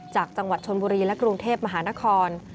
จากจังหวัดชนบุรีและกรุงเทพมหานคร